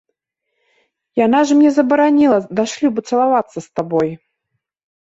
Яна ж мне забараніла да шлюбу цалавацца з табой.